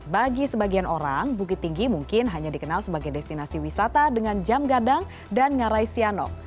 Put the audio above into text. bagi sebagian orang bukit tinggi mungkin hanya dikenal sebagai destinasi wisata dengan jam gadang dan ngarai sianok